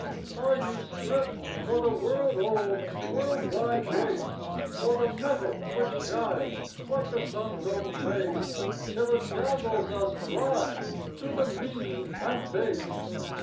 Are you stripped for the world old, world wide race For the metal which shines like the sun's own face Till it dazzles us blind to the mean and base?